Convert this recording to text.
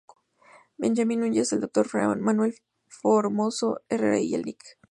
Benjamín Núñez, el Dr. Manuel Formoso Herrera y el Lic.